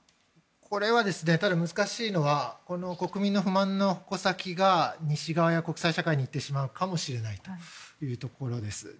これは、難しいのは国民の不満の矛先が西側や国際社会にいってしまうかもしれないというところです。